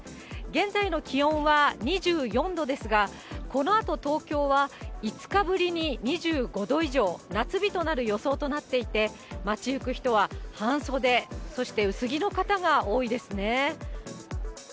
現在の気温は２４度ですが、このあと東京は、５日ぶりに２５度以上、夏日となる予想となっていて、街行く人は、半袖、そして薄着の方が多いですね。